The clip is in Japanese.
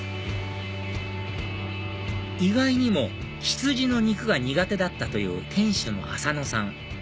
意外にも羊の肉が苦手だったという店主の浅野さん